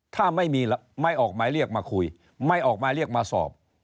ถ้าไม่ออกหมายเรียกมาคุยไม่ออกมาเรียกมาสอบ